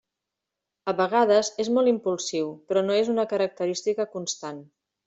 A vegades és molt impulsiu però no és una característica constant.